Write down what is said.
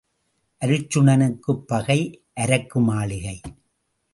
அர்ச்சுனனுக்குப் பகை அரக்கு மாளிகை.